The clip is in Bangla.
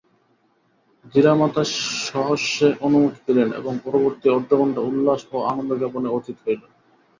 ধীরামাতা সহাস্যে অনুমতি দিলেন, এবং পরবর্তী অর্ধঘণ্টা উল্লাস ও আনন্দ-জ্ঞাপনে অতীত হইল।